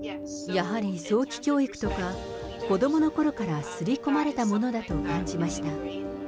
やはり早期教育とか、子どものころから刷り込まれたものだと感じました。